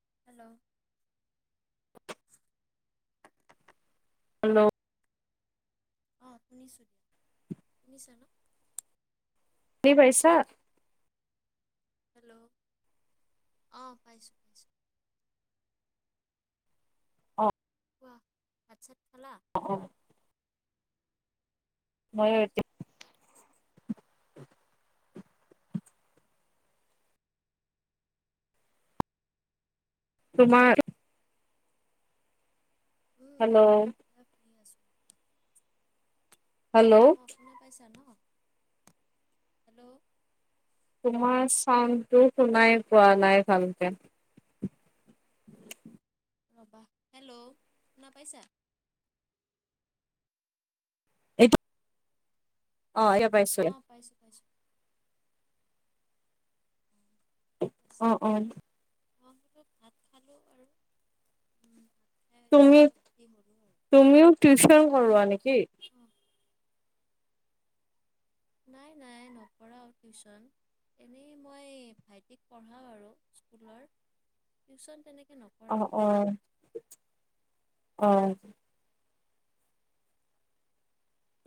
' [inaudible] Hello? অঁ শুনিছোঁ দিয়া শুনিছা ন শুনি পাইছা? হেল্ল'? অঁ, পইছোঁ। পাইছোঁ। অ ভাত ছাত খালা? অ মই এতিয়া তুমাৰ হেল্ল'? কৰি আছোঁ হেল্ল' অ' শুনা পাইছা ন? হেল্ল'? তোমাৰ চাউণ্ডটো শুনাই পোৱা নাই ভালকে। ৰবা, হেল্ল'? শুনা পাইছা? এইটো অ'হ পাইছোঁ। পাইছোঁ। অঁ ঠিক আছে অ। অ। অঁ বোলো ভাত খালোঁ আৰু উম, ভাত খাই এতিয়া তুমি, অলপ ফ্ৰী হ'লোঁ আৰু তুমিও টউশন তুমি কৰোৱা নেকি? অঁ নাই নাই নকৰাও টিউচন, এনেই মই ভাইটিক পঢ়াও আৰু স্কুলৰ। টিউচন তেনেকে অহ অঁ অঁ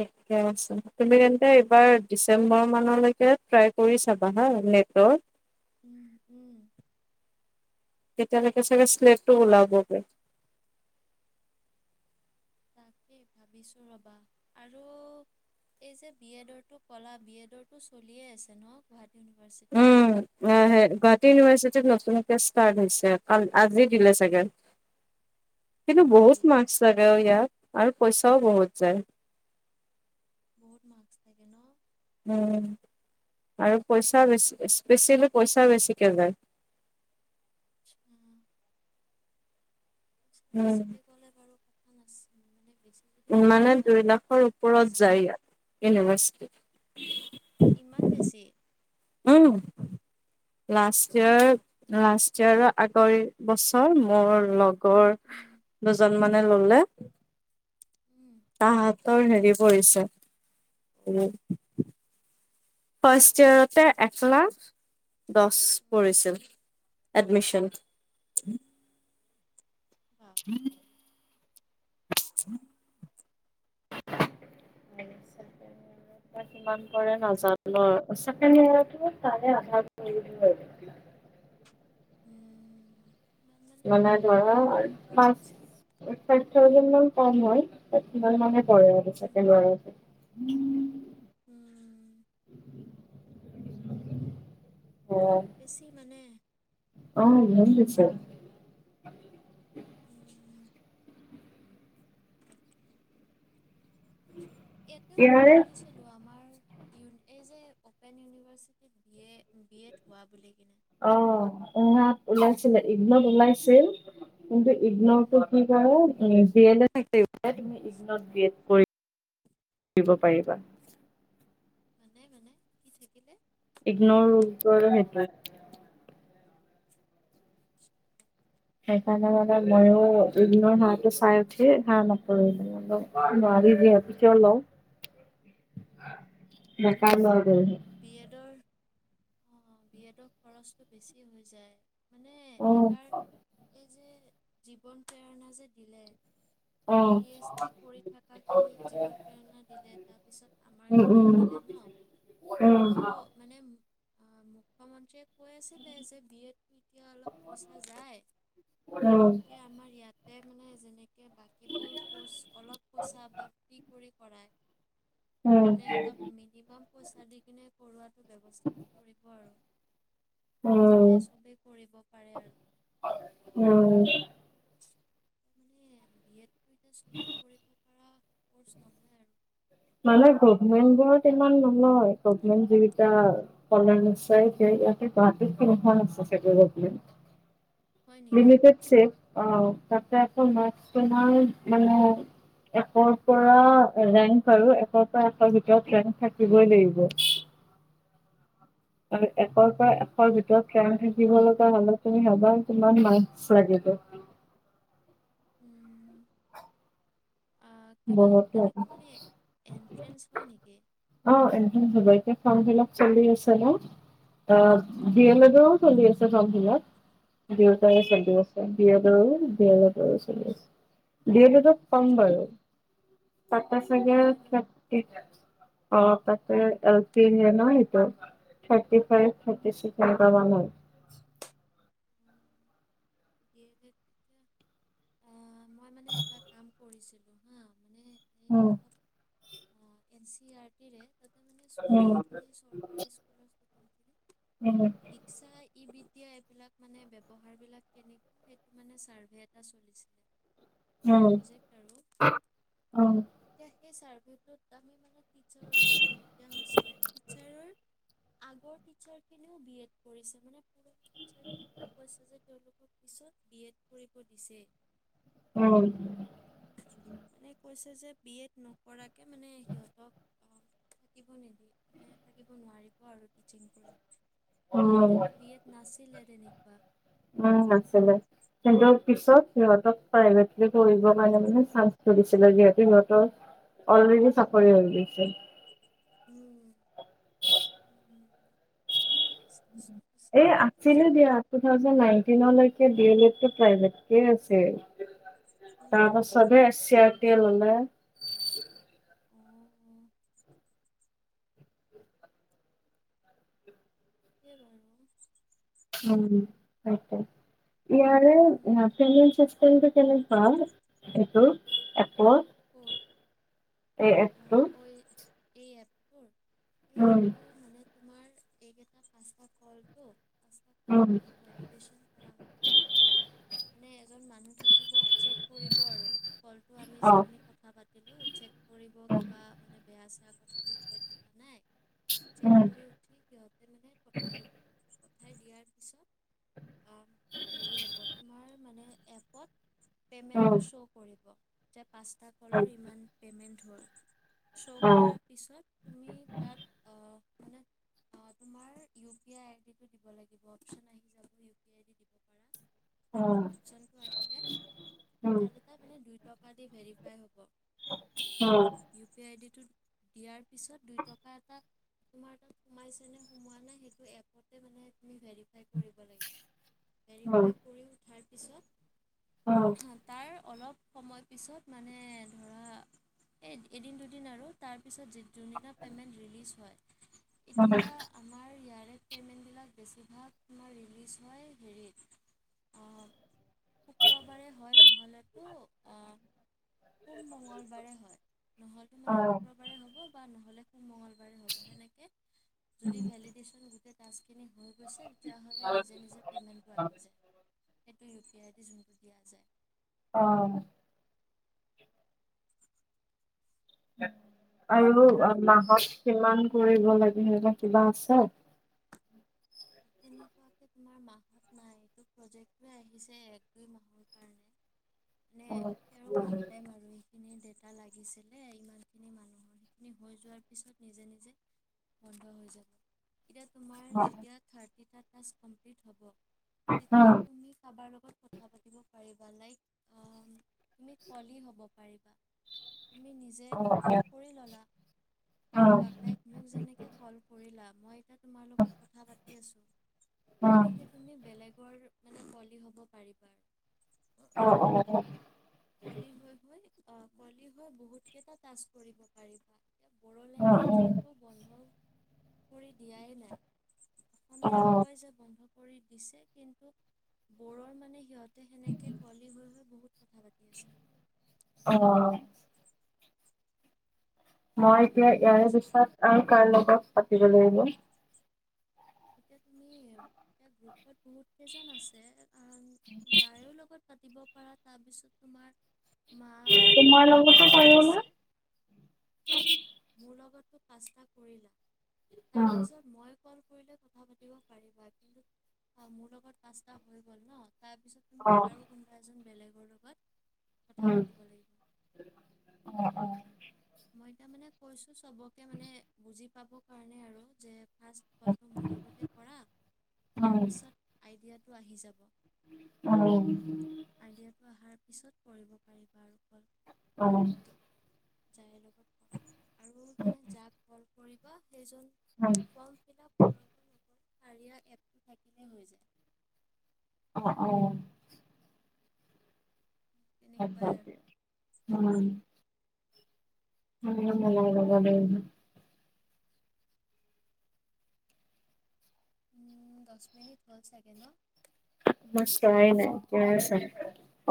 ঠিকেই আছে, তুমি তেন্তে এইবাৰ ডিচেম্বৰ মানলৈকে ট্ৰাই কৰি চাবা হা নেটৰ। উম উম তেতিয়ালৈকে চাগে শ্লেটটো ওলাবগে তাকেই ভাবিছো ৰবা আৰু এই যে বি এডৰটো কলা বি এডৰটো চলিয়ে আছে ন গুৱাটী উম অ হে গুৱাহাটী ইউনিাৰিটি যে নতুনকে ষ্টাৰ্ট হৈছে, আ আজি দিলে চাগে। হয় কিন্তু নেকি বহুত মাাক্ছ লাগে অ' ইয়াত আৰু পইচাও বহুত যায়। [unintelligible] উম আৰু পইচা বেছ বেছি বেছি হ'লে পইচা বেছিকে যায়। উম বেছিকে গ'লে বাৰু পানাছিল মানে বেছি যদি নগ'ল ইমানে হয় দুই তেতিয়া বাৰু লাখৰ কথা ওপৰত নাছিল যায় ইয়াত, ইউনিভাৰ্চিটি ইমান বেছি [unintelligible] লাষ্ট বাপৰে য়েৰ লাষ্ট য়েৰৰ আগৰি বছৰ মোৰ লগ [unintelligible] উম, দুজন মান নে ললে উম, তাহঁতৰ হেৰি পৰিছে, ফাৰ্ষ্ট ইয়েৰতে এক লাখ দশ উম, পৰিছিল, এডমিচন। বাপৰে [unintelligible] [unintelligible] উম কিমান মানে অ, ধৰা সিমান আৰু মানেই পৰিব পাঁচ, চাগে ফাইভ থাউজেন্ডনমান কম হয়, মোৰ মানে হয় উম, আৰু [unintelligible] হুম [inaudible] বহুত বেছি মানে অঁ নন্দেশ্বৰ উম, এইটো শু ইয়াৰে শুনিছিলো আমাৰ এই যে অপেন ইউনিভাৰ্চিটিত বি এ বি এড হোৱা বুলি কিনে অঁ আহ উ ওলাইছিলে ইগ্নুত ওলাইছিল কিন্তু ইগ্নুৰটো কি কৰে [unintelligible] ইগ্নুত বি এড কৰিব পাৰিবা মানে মানে কি থাকিলে ইগ্নুৰ [unintelligible] সেইটোৱে সেইকাৰণে মানে ময়ো দুদিনৰ হাঁহটো চাই উঠি হাঁহ নাপো [unintelligible] নোৱাৰি যিহতে [unintelligible] কিয় [unintelligible] লওঁ ন কাল আ [unintelligible] অ বিএডৰ খৰচটো বেছি হৈ যায় মানে উম এইবাৰ যে জীৱন প্ৰেৰণা যে দিলে উম পি এইচ ডি কৰি থকাখিনিক জীৱন প্ৰেৰণা দিলে তাৰপিছত আমাৰ উম খিনিক দিলে ন উম ত মানে মুখ্যমন্ত্ৰ্ৰী কৈ আছিলে যে বি এডটো এতিয়া অলপ পইচা যায় উম এতিয়া আমাৰ ইয়াত তে মানে যেনেক োৰ [unintelligible] অলপ পইছা [unintelligible] কৰি পৰাই উম মিনিমাম পইচা দি কিনে কৰোৱাটো ব্যৱস্থাটো কৰিব আৰু উম যাতে সবেই কৰিব পাৰে আৰু উম মানে বিয়ে তিয়া [unintelligible] সবে কৰিব পৰা কৰ্চ নহয় আৰু মানে গভমেন্ট বত ইমান নলয় গট [unintelligible] যল ই গুৱাহীত কি আ গ [unintelligible] হয় নেকি লিমিটড চ অ ত াজমাৰ মানে একৰ পৰা ৰেং বাৰ একৰ পৰা এৰ ভিতৰত ট্ৰেন থাকিবই লাগিব আৰু একৰ পৰা একৰ ভিতৰত কেম থাকিব লগা হ'লে তুমি হবা কিমান মাছ লাগ উম আহ, কিবা বহুত তেনেকুৱা মানে এণ্ট্ৰেঞ্চ হয় নেকি অ এনেধ [unintelligible] হব এতিয়া [unintelligible] খামিলাক চলি আছে ন অ উম, বি উম, য়ে লডেও চলি আছে চমভিলাত [unintelligible] দেউতাই উম, চলি আছে বি এ দুহেজাৰ তেৰ চল্লিশ বি এ তত কম আচ্ছা বাৰু [unintelligible] আ ডি চাগে এল থ এডত [unintelligible] অ তাতে এল পিজিয় নটো থাৰ্টি ফাইভ থাৰ্টি চিকস এনেকোৱাই য়া আহ মই মানে এটা কাম কৰিছিলো হা মানে এই উম অলপ এন চি আৰ টিৰে তাতে মানে উম, ষ্টুডেন্ট খিনি চৰকাৰী স্কুল উম, দিকসা ই বিদ্যা এইবিলাক মানে ব্যৱহাৰ বিলাক, কেনেকুৱা সেইটো মানে ছাৰ্ভে এটা চলিছিলে। উম প্ৰজেক্ট আৰু উম। এতিয়া সেই চাৰ্ভিটোত আমি মানে, টিচাৰো লব লগগীয়া হৈছিলে। টিচাৰৰ আগৰ টিছাৰ খিনিও বি এড কৰিছে। মানে পিছত বি এড কৰিব দিছে। উম মানে কৈছে যে বি এড নকৰাকে মানে সিহঁতক থাকিব নিদো, মানে থাকিব নোৱাৰিব। আৰু টিচিং কৰি উম। আগতেতো বি এড নাছিলে তেনেকুৱা। উম, কিন্তু পিছত সিহতক প্ৰাইভেটলি পঢ়িবৰ কাৰণে মানে চানস দিছিলে যিহেতু সহতৰ অলৰেডি চাকৰি হৈ গৈছিল। উম উম এই আছিলে দিয়া। টু থাউজেন্দ নাইন্টিন লৈকে ডি এড লটো প‌ৰাইভেতকে আছে। তাৰপাছতে চিয়াৰ পিয়ে ললে অঁ এই বাৰু উম সেটোয়ে ইয়াৰে মাছ্টৰ জন চেন [unintelligible] নেুৱ ক'ৰ সেইটো [unintelligible] অঁ এ অ এই এফচটো এই এপটো? এই আপটোৰ মানে তোমাৰ এইকেইটা পাঁচটা কলটো, পাঁচ্ত উম, কলটো ভেলিডেশ্যন কৰা হ'ব মানে এজন মানুহ থাকিব চেক কৰিব আৰু। কলটো আমি যি অ', কাবডি ল চে [unintelligible] কৰিব উম, কিবা মানে, বেয়া চেয়া কথাটো কৈ থকা নাই, চেক উম, কৰি উঠি সিহঁতে মানে পঠাই দিব। পঠাই দিয়াৰ পিছত হেৰি হ'ব তোমাৰ মানে, পেমেন্টো উম, চ কৰিব পাঁচতা কলৰ অ', ইমান পে'মেণ্ট, উ ধোৱা [unintelligible] শ্ব' অ', কৰাৰ পিছত তুমি তাত, আ মানে তোমাৰ ইউ পি আই আইডিটো দিব লাগিব অপচন আহি যাব ইউ পি আই দিব পাৰা উম, অপচনটো আহিলে উম, তাত এটা মানে দুইটা ভেৰিফাই হ'ব ইউ পি আ আই ডি ইয়াৰ পিছত দুই টকা এটা তোমাৰ তাত সোমাইছে নে হুমুৱা নাই এপটে মানে তুমি ভাৰিফাই কৰিব লাগিব উম, ভেৰিফাই কৰি উঠাৰ পিছত উম। হ তাৰ অলপ সময়ত পিছত মানে ধৰা এই এদিন দুদিন আৰু তাৰ ত পিছত যিদিনা পেমেণ্ট ৰিলিজ হয় অ', এতিয়া আমাৰ ইয়াৰ ড পে'মেণ্টবিলাক বেছিভাগ মই ৰিলিজ হয় হেৰিত শুক্ৰবাৰে হয় নহ'লেতো সোম মংগলবাৰে হয় নহ'লে মানে শুক্ৰবাৰে হ'ব বা নহ'লে মঙলবাৰে হ'ব, সেনেকে যদি‌ ভেলিডেচন গোটে টাস্ক খিনি হৈ হৈছে, তেতিয়াহ'লে নিজে নিজে পে'মেণ্টবোৰ আহি যায়। সেইটো ইউ পি আই ডিক জোনটো দিয়া যায়। অ'। উ। আৰু মানে মাহত কিমান কৰি কিবা আছ তেনেকুৱাকে তোমাৰ মাহত নাই, এইটো প্ৰজেক্ট হে আহিছে এক দুই মাহৰ কাৰণে। নে অ', [unintelligible] অ, ওৱান টাইম আৰু। [unintelligible] ডেটা লাগিছিলে, ইমানখিনি মানুহৰ, সেইখিনি হৈ যোৱাৰ পিছত নিজে নিজে বন্ধ হৈ যাব। এতিয়া তোমাৰ অ, যেতিয়া এটা টাস্ক কমপ্লিট হ'ব। তেতিয়া তুমি কাৰবাৰ ল কথা পাতিব পাৰিবা, লাইক তুমি কলি হ'ব পাৰিবা। তুমি নিজেটো কল অ, কৰি ল'লা। অ, কাৰুবাক লাইক, মোক যেনেকে কল কৰিলা [inaudible] [unintelligible] ই আছোঁ। অ, অ, তেনেকে তুমি বেলেগ [unintelligible] অ, অ, অ। কলি হৈ হৈ অ পোৱালি হৈ বহুত কেইটা তাস্ক কৰিব পাৰিবা। বড়ো অ, অ, লেংগুৱেজৰটো বন্ধ কৰি দিয়াই নাই। অ, অসমীয়াৰ কয় যে বন্ধ কৰি দিছে, কিন্তু বৰৰ মানে সিহঁত সেনেকে কলি হৈ হৈ বহুত কথা পাতি আছে অ'। মই এতিয়া মানে ইয়াৰে পিছত আৰু কাৰ লগত পাতিব আহিলো এতিয়া তুমি এতিয়া গ্ৰুপত বহুত কেইজন আছে, কাৰ যাৰে লগত পাতিব পাৰা তাৰ পিছত তোমাৰ মা ভাইটি তোমাৰ ভন্টি লগতো যোন পাৰিব নে? আছে মোৰ লগত পাঁচটা কৰিলা তাৰ অ', পিছত মই কৰিলোক [unintelligible] কথা পাতিব পাৰিবা কিন্তু অ মোৰ লগত পাঁচটা হৈ গ'ল ন তাৰপিছত উম, অ', তুমি অ', আৰু কোনোবা এজন বেলেগৰ লগত কথা উম, পাতিব লাগিব মই তাৰমানে কৈছো চবকে মানে বুজি পাবৰ কাৰণে আৰু যে ফ ফলটো মোৰ লগতে কৰা তাৰপিছত আইডিয়া টো আহি যাব আইডিয়াটো অহাৰ উ পিছত পঢ়িব পাৰিবা আৰু। অ', যাই লগ [unintelligible] আৰু মানে যাক ফল বা কেইজন অঁ য়া এপটো থাকিলে হৈ যায় অঁ অঁ অঁ তেনেকুৱাই উম উ লগ [unintelligible] উম দচ মিনিট হ চাগে ন মই চোৱাই নাই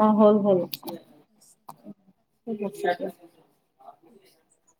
অঁ হ'ল হ'ল দহ মিনিট হৈছে কলটো কাটি দিব